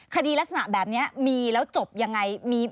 คดีลักษณะแบบนี้มีแล้วจบยังไง